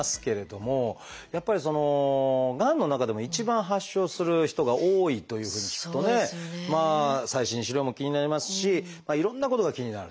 やっぱりがんの中でも一番発症する人が多いというふうに聞くとねまあ最新治療も気になりますしいろんなことが気になるっていうのはありますね。